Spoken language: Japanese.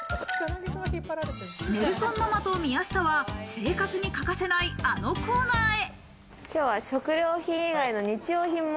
ネルソンママと宮下は生活に欠かせない、あのコーナーへ。